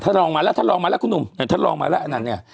ท่านรองมาแล้วท่านรองมาแล้วคุณหนุ่มท่านรองมาแล้วนั่นไง